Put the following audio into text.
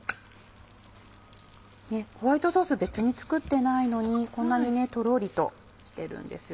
ホワイトソース別に作ってないのにこんなにとろりとしてるんです。